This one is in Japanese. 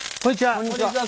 こんにちは。